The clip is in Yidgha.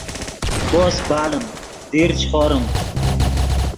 بوس باڑیم دیر چے خوریم